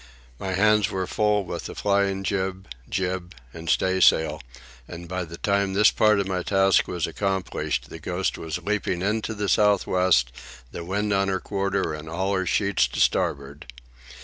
My hands were full with the flying jib, jib, and staysail; and by the time this part of my task was accomplished the Ghost was leaping into the south west, the wind on her quarter and all her sheets to starboard.